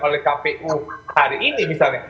oleh kpu hari ini misalnya